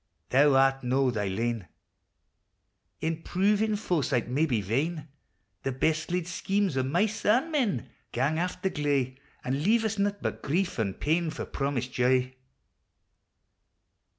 thou ar1 do thy lain 1 . In proving foresighl may be vain: The best laid schemes o' mice an' mm) GanJ* a (*i a gley, An' lea'e us naught bu1 grief and pail?, For promised joy.